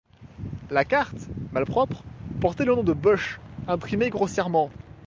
La carte, malpropre, portait le nom de Busch, imprimé grossièrement.